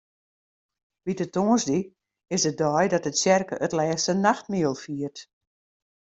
Wite Tongersdei is de dei dat de tsjerke it Lêste Nachtmiel fiert.